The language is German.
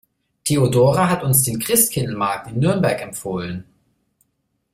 Theodora hat uns den Christkindlesmarkt in Nürnberg empfohlen.